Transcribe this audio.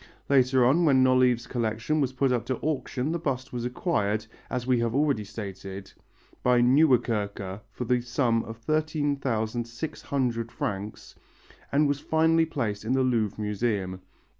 Later on, when Nolive's collection was put up to auction the bust was acquired, as we have already stated, by Nieuwerkerque for the sum of 13,600 francs and was finally placed in the Louvre Museum.